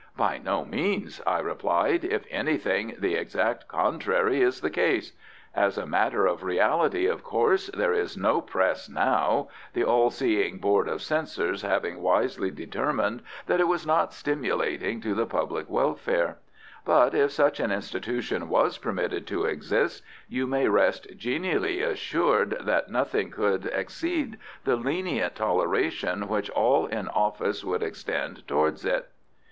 "By no means," I replied; "if anything, the exact contrary is the case. As a matter of reality, of course, there is no Press now, the all seeing Board of Censors having wisely determined that it was not stimulating to the public welfare; but if such an institution was permitted to exist you may rest genially assured that nothing could exceed the lenient toleration which all in office would extend towards it."